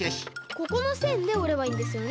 ここのせんでおればいいんですよね？